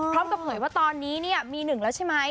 พร้อมกับเหยว่าตอนนี้มีหนึ่งแล้วใช่ไหม